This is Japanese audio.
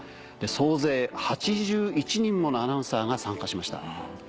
総勢８１人ものアナウンサーが参加しました。